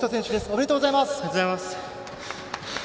おめでとうございます。